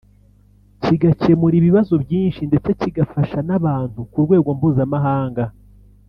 kigakemura ibibazo byinshi ndetse kigafasha n’abantu ku rwego mpuzamahanga